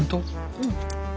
うん。